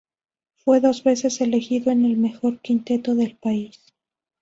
Fue dos veces elegido en el mejor quinteto del país.